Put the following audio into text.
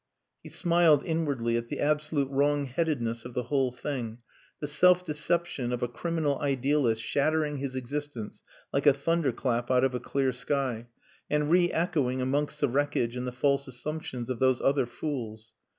He smiled inwardly at the absolute wrong headedness of the whole thing, the self deception of a criminal idealist shattering his existence like a thunder clap out of a clear sky, and re echoing amongst the wreckage in the false assumptions of those other fools.